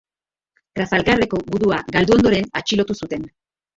Trafalgarreko gudua galdu ondoren atxilotu zuten.